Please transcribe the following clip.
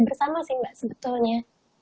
bersama sih mbak sebetulnya